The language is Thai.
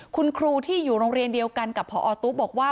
คุณครูที่อยู่โรงเรียนเดียวกันกับพอตู้บอกว่า